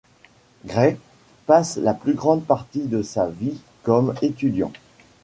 Gray passe la plus grande partie de sa vie comme étudiant.